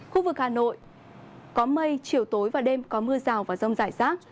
khu vực hà nội có mây chiều tối và đêm có mưa rào và rông rải rác